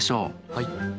はい。